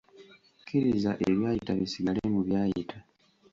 Kkiriza ebyayita bisigale mu byayita.